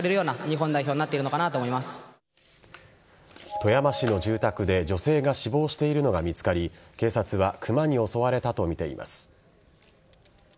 富山市の住宅で女性が死亡しているのが見つかり警察はクマに襲われたとみています。